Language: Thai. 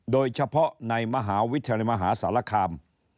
โดยเฉพาะในมหาวิทยาลัยมหาสารคาม